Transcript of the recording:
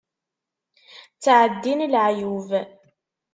Ttεeddin leεyub.